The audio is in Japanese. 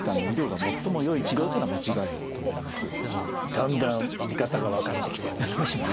だんだん見方が分かってきたような気がします。